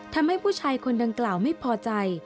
ทำให้ผู้ชายคนดังกล่าวไม่พอใจ